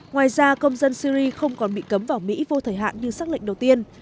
ngoài ra công dân syria không còn bị cấm vào mỹ vô thời hạn như sách lệnh đầu tiên